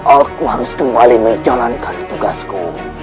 aku harus kembali menjalankan tugasku